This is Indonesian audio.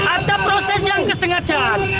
ada proses yang kesengajaan